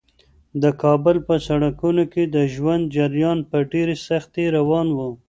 د کابل په سړکونو کې د ژوند جریان په ډېرې سختۍ روان و.